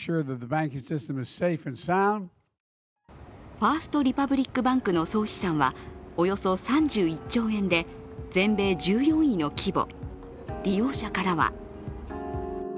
ファースト・リパブリック・バンクの総資産はおよそ３１兆円で全米１４位の規模。